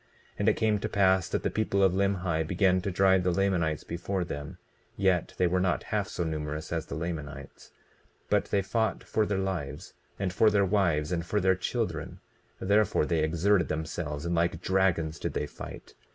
20:11 And it came to pass that the people of Limhi began to drive the Lamanites before them; yet they were not half so numerous as the Lamanites. But they fought for their lives, and for their wives, and for their children; therefore they exerted themselves and like dragons did they fight.